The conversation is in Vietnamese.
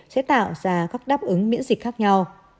sẽ tạo ra các đáp ứng miễn dịch khác nhau